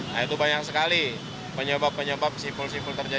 nah itu banyak sekali penyebab penyebab simpul simpul terjadi